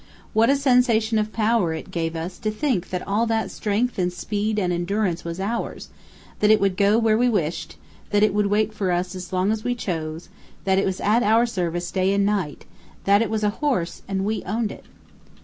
What a sensation of power it gave us to think that all that strength and speed and endurance was ours, that it would go where we wished, that it would wait for us as long as we chose, that it was at our service day and night, that it was a horse, and we owned it!